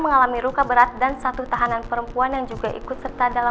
mengalami luka berat dan satu tahanan perempuan yang juga ikut serta dalam